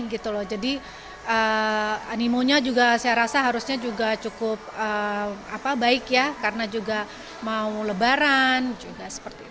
gitu loh jadi animonya juga saya rasa harusnya juga cukup baik ya karena juga mau lebaran juga seperti itu